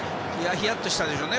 ヒヤッとしたでしょうね。